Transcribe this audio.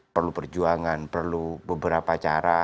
perlu perjuangan perlu beberapa cara